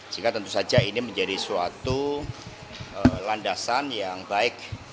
sehingga tentu saja ini menjadi suatu landasan yang baik